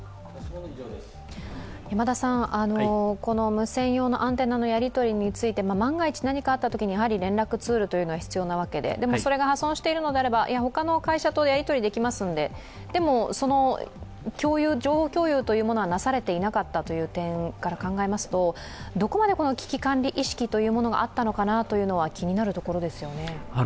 無線用のアンテナのやり取りについて万が一何かあったときに連絡ツールは必要なわけで、でも、それが破損しているのであれば、他の会社とやり取りできますのででも情報共有はなされていなかったという点から考えますとどこまで危機管理意識があったのかなというのは気になるところですよね。